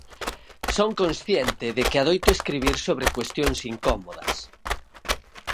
Son consciente de que adoito escribir sobre cuestións incómodas.